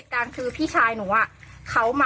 บ่อยมั้ยคะ